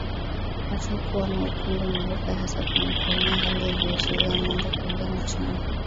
Macho kuwa na ukungu mweupe hasa kwenye konea hali inayozuia mwanga kuingia machoni